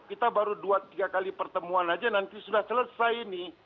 kita baru dua tiga kali pertemuan aja nanti sudah selesai ini